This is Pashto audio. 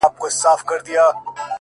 ژوند ټوله پند دی!!